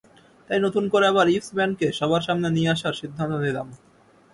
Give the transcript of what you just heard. তাই নতুন করে আবার ইভস ব্যান্ডকে সবার সামনে নিয়ে আসার সিদ্ধান্ত নিলাম।